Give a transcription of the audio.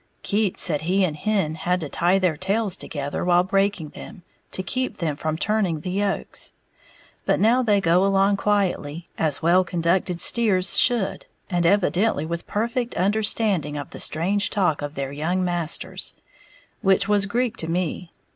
Keats said he and Hen had to tie their tails together while breaking them, to keep them from turning the yokes; but now they go along quietly, as well conducted steers should, and evidently with perfect understanding of the strange talk of their young masters, which was Greek to me.